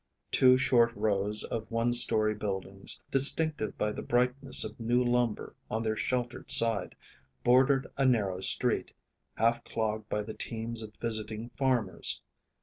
Two short rows of one story buildings, distinctive by the brightness of new lumber on their sheltered side, bordered a narrow street, half clogged by the teams of visiting farmers.